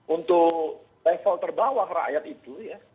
untuk level terbawah rakyat itu ya